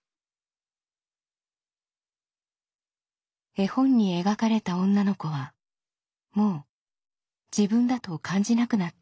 絵本に描かれた女の子はもう自分だと感じなくなったという。